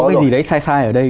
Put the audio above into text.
cái gì đấy sai sai ở đây